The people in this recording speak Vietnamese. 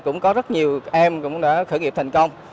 cũng có rất nhiều em cũng đã khởi nghiệp thành công